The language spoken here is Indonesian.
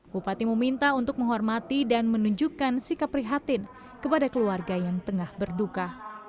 bupati meminta untuk menghormati dan menunjukkan sikap prihatin kepada keluarga yang tengah berduka